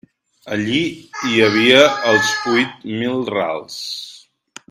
Allí hi havia els huit mil rals.